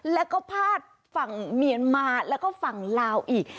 แล้วก็พาดฝั่งเมียนมาแล้วก็ฝั่งลาวอีก